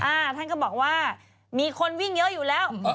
ท่านก็บอกว่ามีคนวิ่งเยอะอยู่แล้ว